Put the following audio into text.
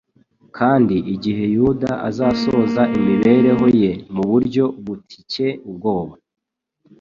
Kandi igihe Yuda azasoza imibereho ye mu buryo butcye ubwoba,